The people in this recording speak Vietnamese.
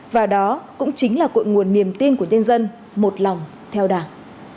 và đó cũng chính là cội nguồn niềm tin của nhân dân một lòng theo đảng